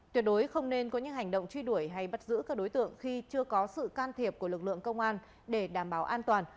tuyệt đối không nên có những hành động truy đuổi hay bắt giữ các đối tượng khi chưa có sự can thiệp của lực lượng công an để đảm bảo an toàn